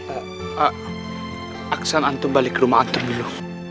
ah aksan antum balik rumah antum dulu